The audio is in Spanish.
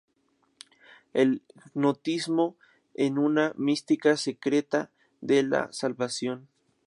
El gnosticismo es una mística secreta de la salvación.